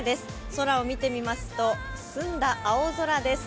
空を見てみますと、澄んだ青空です